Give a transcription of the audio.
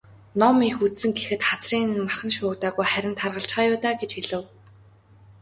"Ном их үзсэн гэхэд хацрын нь мах шуугдаагүй, харин таргалчихаа юу даа" гэж хэлэв.